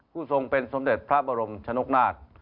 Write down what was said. ทรงเป็นสมเด็จพระบรมชนกนาฏ